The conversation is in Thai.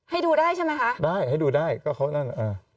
ให้ดูได้ใช่ไหมคะได้ให้ดูได้ก็เขานั่นอ่า